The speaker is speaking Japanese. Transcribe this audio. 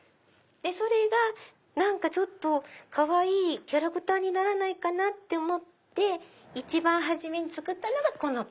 それがかわいいキャラクターにならないかなって思って一番初めに作ったのがこの子。